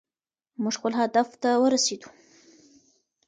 موږ خپل هدف ته ورسېدو.